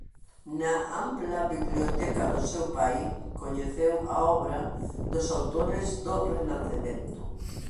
Na ampla biblioteca do seu pai coñeceu a obra dos autores do Renacemento.